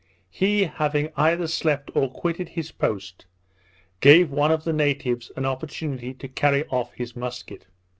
He having either slept or quitted his post, gave one of the natives an opportunity to carry off his musket.